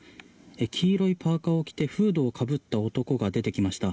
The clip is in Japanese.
黄色いパーカを着てフードをかぶった男が出てきました。